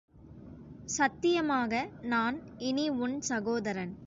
சத்தியமாக நான் இனி உன் சகோதரன்.